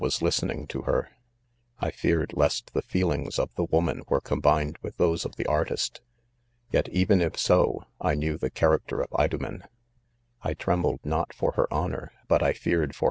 was listening to her,— . I feared lest the. feelings of the woman were combined with those of the artist : yet even if so,, 1 knew the character of Idomen ; I trem bled not for her honor, but I feared for he?